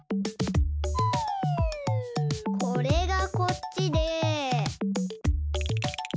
これがこっちで。